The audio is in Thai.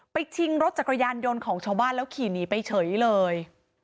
ชิงรถจักรยานยนต์ของชาวบ้านแล้วขี่หนีไปเฉยเลย